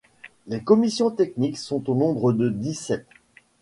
Les commissions techniques sont au nombre de dix sept.